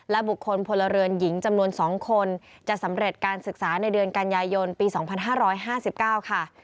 บุคคลพลเรือนหญิงจำนวน๒คนจะสำเร็จการศึกษาในเดือนกันยายนปี๒๕๕๙ค่ะ